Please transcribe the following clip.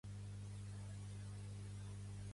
Aixafo totes les guitarres que envolten un gran ballarí.